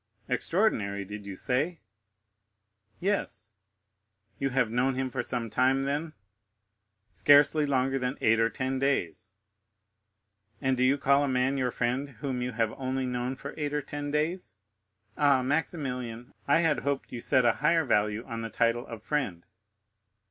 "Extraordinary, did you say?" "Yes." "You have known him for some time, then?" "Scarcely longer than eight or ten days." "And do you call a man your friend whom you have only known for eight or ten days? Ah, Maximilian, I had hoped you set a higher value on the title of friend."